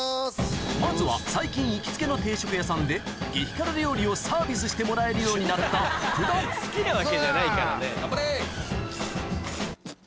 まずは最近行きつけの定食屋さんで激辛料理をサービスしてもらえるようになった福田頑張れ！